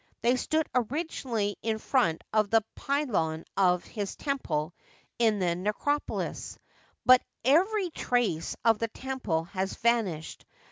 They stood originally in front of the pylon of his temple in the necropolis ; but every trace of the temple has vanished.